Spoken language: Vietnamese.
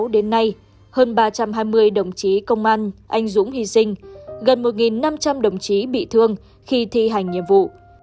một nghìn tám trăm tám mươi sáu đến nay hơn ba trăm hai mươi đồng chí công an anh dũng hy sinh gần một năm trăm linh đồng chí bị thương khi thi hành nhiệm vụ